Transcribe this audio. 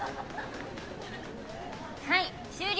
はい終了